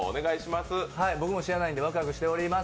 僕も知らないのでワクワクしています。